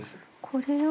これを？